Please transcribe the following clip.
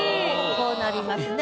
こうなりますね。